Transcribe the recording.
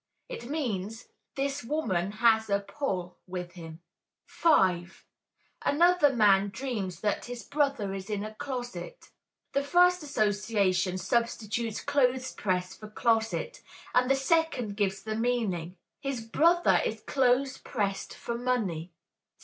It means: This woman "has a pull" with him. 5. Another man dreams that "his brother is in a closet." The first association substitutes clothes press for closet, and the second gives the meaning: his brother is close pressed for money.